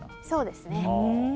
そうですね。